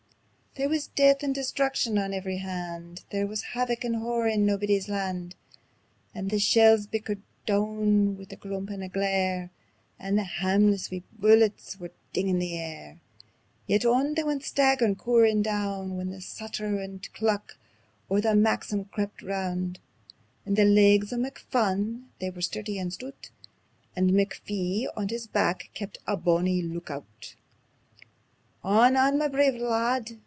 There wis death and destruction on every hand; There wis havoc and horror on Naebuddy's Land. And the shells bickered doun wi' a crump and a glare, And the hameless wee bullets were dingin' the air. Yet on they went staggerin', cooryin' doun When the stutter and cluck o' a Maxim crept roun'. And the legs o' McPhun they were sturdy and stoot, And McPhee on his back kept a bonnie look oot. "On, on, ma brave lad!